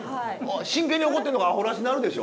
真剣に怒ってるのがアホらしなるでしょ？